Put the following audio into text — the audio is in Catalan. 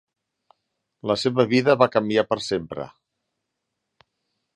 La seva vida va canviar per sempre.